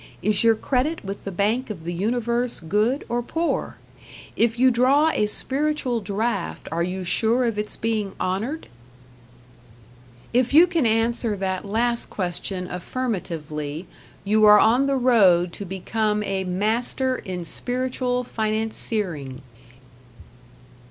Is your credit with the Bank of the Universe good or poor? If you draw a spiritual draft are you sure of its being honored? If you can answer that last question affirmatively, you are on the road to become a Master in Spiritual Financiering.